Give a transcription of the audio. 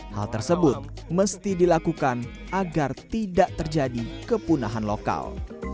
hal tersebut mesti dilakukan agar tidak terjadi kepunahan lokal